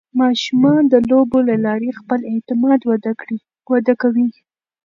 ماشومان د لوبو له لارې خپل اعتماد وده کوي.